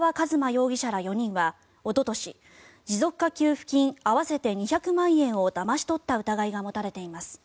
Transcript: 容疑者ら４人はおととし持続化給付金合わせて２００万円をだまし取った疑いが持たれています。